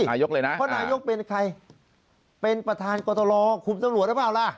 นายกเลยนะเพราะนายกเป็นใครเป็นประธานกรตรคุมตำรวจหรือเปล่าล่ะ